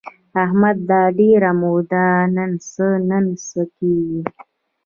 احمد دا ډېره موده ننڅه ننڅه کېږي.